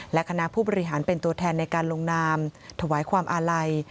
และคณะผู้บริหารเป็นตัวแทนในการลงนามถวายความอาลัย